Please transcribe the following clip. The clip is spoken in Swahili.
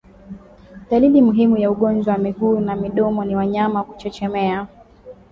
Dalili muhimu ya ugonjwa wa miguu na midomo ni wanyama kuchechemea